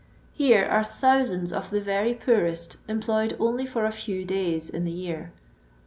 Here are thouiands of the very purest emplojed only for a few days in the year.